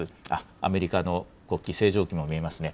アメリカの国旗、星条旗も見えますね。